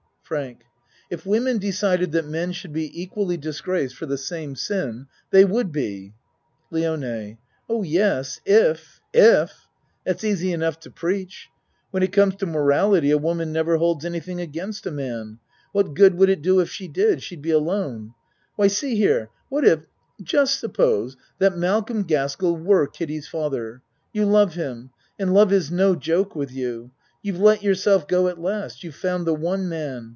FRANK If women decided that men should be equally disgraced for the same sin, they would be. LIONE Oh, yes if if. That's easy enough to preach. When it comes to morality a woman nev er holds anything against a man. What good would it do if she did? She'd be alone. Why, see here what if just suppose that Malcolm Gaskell were Kiddie's father. You love him, and love is no joke with you. You've let yourself go at last. You've found the one man.